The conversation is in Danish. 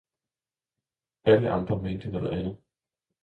Alle andre mente noget andet.